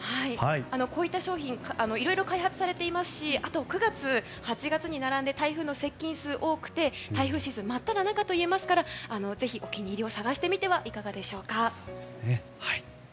こういった商品いろいろ開発されていますし９月は、８月に並んで台風の接近数が多くて台風シーズン真っただ中といえますからぜひお気に入りを探してみてはいかがでしょうか。